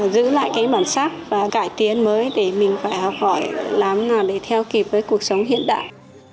giữ lại cái bản sắc và cải tiến mới để mình phải học hỏi làm nào để theo kịp với cuộc sống hiện đại